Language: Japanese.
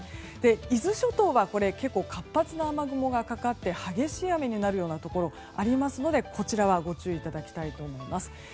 伊豆諸島は活発な雨雲がかかって激しい雨になるようなところがありますのでこちらはご注意いただきたいと思います。